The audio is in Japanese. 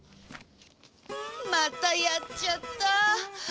またやっちゃった。